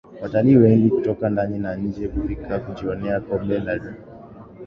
Watalii wengi kutoka ndani na nje hufika kujionea Kobe hao wakubwa